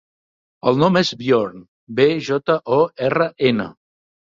El nom és Bjorn: be, jota, o, erra, ena.